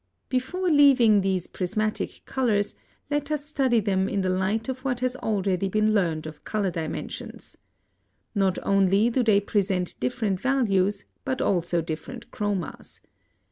(94) Before leaving these prismatic colors, let us study them in the light of what has already been learned of color dimensions. Not only do they present different values, but also different chromas.